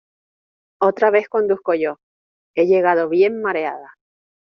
Otra vez conduzco yo; he llegado bien mareada.